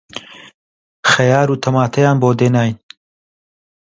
خەیار و تەماتەیان بۆ دێناین